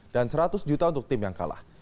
dan seratus juta untuk tim yang kalah